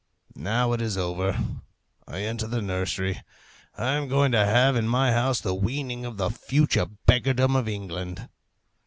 Now it is over; I enter the nursery; I am going to have in my house the weaning of the future beggardom of England.